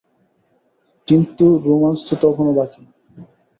কিন্তু রোমাঞ্চ তো তখনো বাকি।